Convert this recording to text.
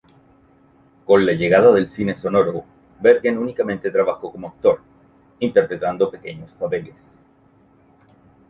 Con la llegada del cine sonoro, Bergen únicamente trabajó como actor, interpretando pequeños papeles.